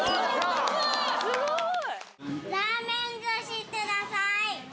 すごーい！